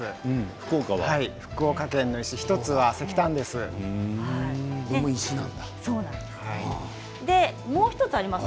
福岡県の石は石炭です。